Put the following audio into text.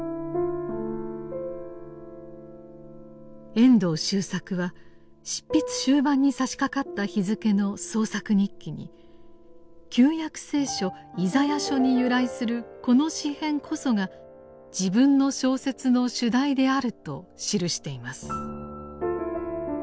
遠藤周作は執筆終盤にさしかかった日付の「創作日記」に旧約聖書「イザヤ書」に由来するこの詩編こそが自分の小説の主題であると記しています。